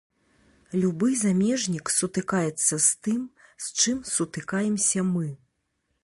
Любы замежнік сутыкаецца з тым, з чым сутыкаемся мы.